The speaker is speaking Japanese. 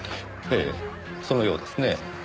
ええそのようですねぇ。